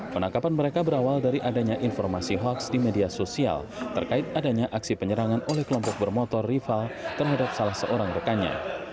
penangkapan mereka berawal dari adanya informasi hoax di media sosial terkait adanya aksi penyerangan oleh kelompok bermotor rival terhadap salah seorang rekannya